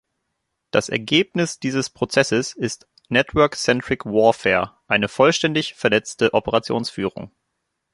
Das Ergebnis dieses Prozesses ist "Network-Centric Warfare", eine vollständig vernetzte Operationsführung.